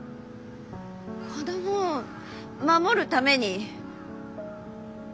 子供を守るために。